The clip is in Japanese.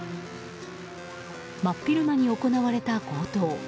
真っ昼間に行われた強盗。